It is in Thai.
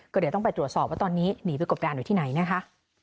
เดี๋ยวต้องไปตรวจสอบว่าตอนนี้หนีไปกบดานอยู่ที่ไหนนะคะ